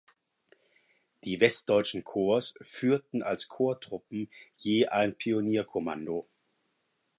Die westdeutschen Korps führten als Korpstruppen je ein Pionierkommando.